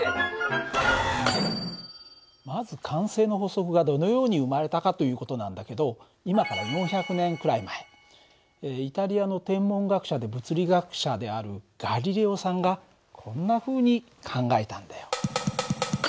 まず慣性の法則がどのように生まれたかという事なんだけど今から４００年くらい前イタリアの天文学者で物理学者であるガリレオさんがこんなふうに考えたんだよ。